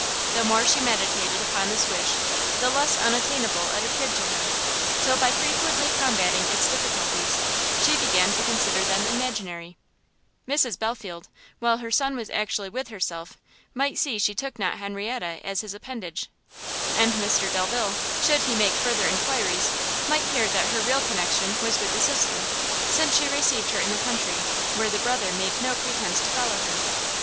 The more she meditated upon this wish, the less unattainable it appeared to her, till by frequently combating its difficulties, she began to consider them imaginary: Mrs Belfield, while her son was actually with herself, might see she took not Henrietta as his appendage; and Mr Delvile, should he make further enquiries, might hear that her real connection was with the sister, since she received her in the country, where the brother made no pretence to follow her.